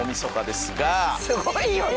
すごいよね